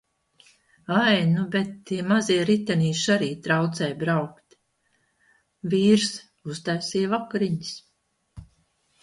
Ai, nu bet tie mazie ritenīši arī traucē braukt. Vīrs uztaisīja vakariņas.